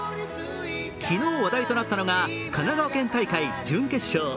昨日、話題となったのが神奈川県大会準決勝。